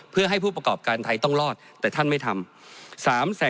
เพื่อให้ผู้ประกอบการไทยต้องรอดแต่ท่านไม่ทำ